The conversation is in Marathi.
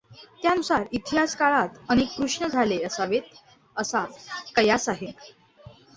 त्यानुसार इतिहास काळात अनेक कृष्ण झाले असावेत असा कयास आहे.